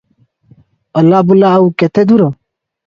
ଅଲାବୁଲା ଆଉ କେତେ ଦୂର?